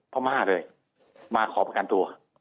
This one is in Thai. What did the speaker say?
พม่าเลยมาขอประกันตัว